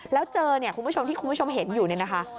แล้วเจอเนี่ยคุณผู้ชมที่คุณผู้ชมเห็นอยู่เนี่ยนะคะ